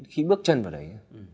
khi bước chân vào đấy